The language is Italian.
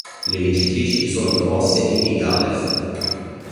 Le vincitrici sono promosse in Liga Alef.